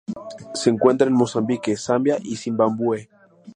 Se encuentra en Mozambique, Zambia y Zimbabue.